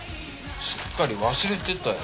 すっかり忘れてたよ。